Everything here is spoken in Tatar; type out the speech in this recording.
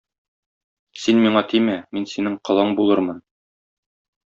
Син миңа тимә, мин синең колың булырмын.